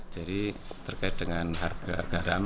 jadi terkait dengan harga garam